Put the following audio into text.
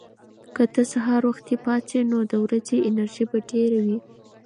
که ته سهار وختي پاڅې، نو د ورځې انرژي به ډېره وي.